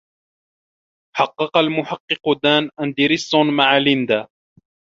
حقق المحقق دان انديرسون مع ليندا.